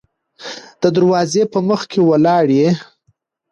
د دروازې په مخکې ولاړ يې.